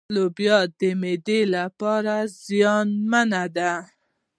لوبيا معدې لپاره زيانمنې دي.